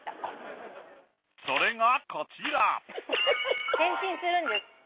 それがこちら変身するんです。